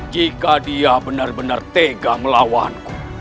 jika dia benar benar tega melawanku